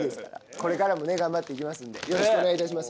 これからも頑張って行きますんでよろしくお願いいたします。